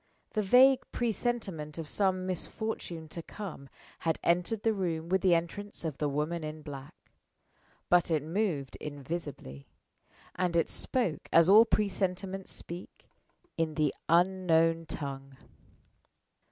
The vague presentiment of some misfortune to come had entered the room with the entrance of the woman in black. But it moved invisibly; and it spoke as all presentiments speak, in the Unknown Tongue.